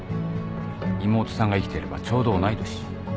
妹さんが生きていればちょうど同い年。